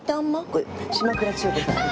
これ島倉千代子さんで。